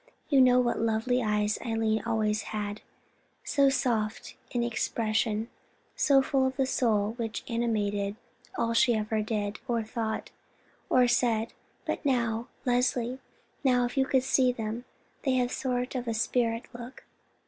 You know what lovely eyes Eileen always had—so soft in expression, so full of the soul which animated all she ever did, or thought, or said; but now, Leslie, now if you could see them—they have a sort of spirit look.